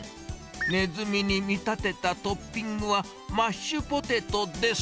ネズミに見立てたトッピングは、マッシュポテトです。